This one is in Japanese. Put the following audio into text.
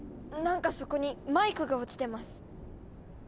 なんかそこにマイクが落ちてます。